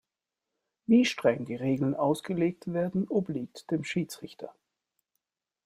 Wie streng die Regeln ausgelegt werden, obliegt dem Schiedsrichter.